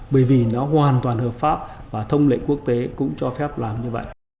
bởi vì nó hoàn toàn hợp pháp và thông lệ quốc tế cũng cho phép làm như vậy